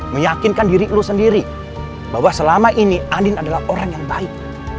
meyakinkan diri lo sendiri bahwa selama ini andin adalah orang yang baik